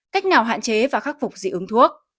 cách nào hạn chế và khắc phục dị ứng thuốc